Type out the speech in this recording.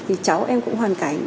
thì cháu em cũng hoàn cảnh